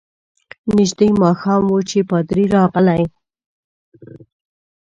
نژدې ماښام وو چي پادري راغلی.